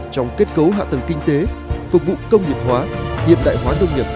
trong kết cấu hạ tầng kinh tế phục vụ công nghiệp hóa hiện đại hóa nông nghiệp